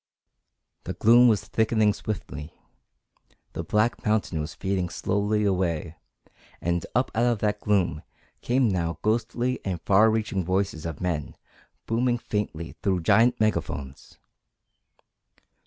The gloom was thickening swiftly. The black mountain was fading slowly away, and up out of that gloom came now ghostly and far reaching voices of men booming faintly through giant megaphones.